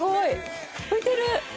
浮いてる！